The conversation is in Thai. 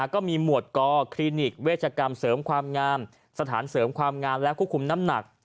ก็มีหมวดกคลินิกเวชกรรมเสริมความงามสถานเสริมความงามและควบคุมน้ำหนัก